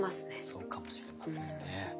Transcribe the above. そうかもしれませんね。